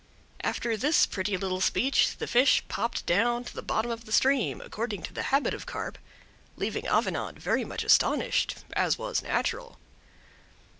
After this pretty little speech, the fish popped down to the bottom of the stream, according to the habit of Carp, leaving Avenant very much astonished, as was natural.